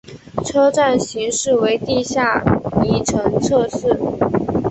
车站型式为地下一层侧式。